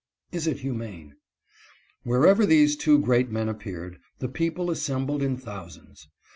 is it humane ?" Wherever these two great men appeared, the people assembled in thou sands.